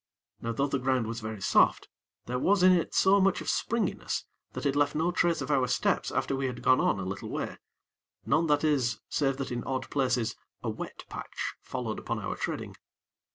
Now though the ground was very soft, there was in it so much of springiness that it left no trace of our steps after we had gone on a little way, none, that is, save that in odd places, a wet patch followed upon our treading.